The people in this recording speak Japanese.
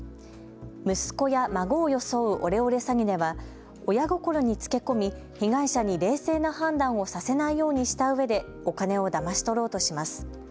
息子や孫を装うオレオレ詐欺では親心につけ込み被害者に冷静な判断をさせないようにしたうえでお金をだまし取ろうとします。